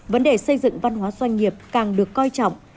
vấn đề xây dựng văn hóa doanh nghiệp càng được coi trọng